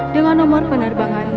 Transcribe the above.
dengan nomor penerbangan